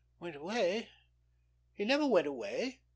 "Went away? He never went away.